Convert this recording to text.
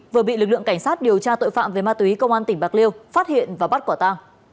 vừa bị lực lượng cảnh sát điều tra tội phạm về ma túy công an tỉnh bạc liêu phát hiện và bắt quả ta